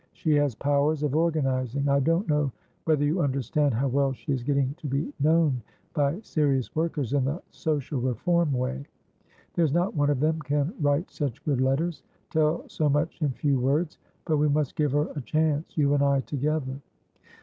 She has powers of organising; I don't know whether you understand how well she is getting to be known by serious workers in the social reform way. There's not one of them can write such good letterstell so much in few words. But we must give her a chanceyou and I together."